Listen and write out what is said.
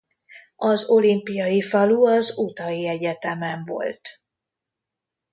Az olimpiai falu a utahi egyetemen volt.